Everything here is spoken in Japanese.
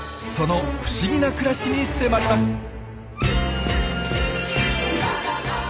その不思議な暮らしに迫ります！